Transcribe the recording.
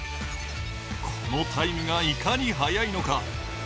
このタイムがいかに早いのか。